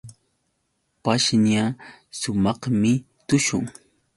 Pashña sumaqmi tushun.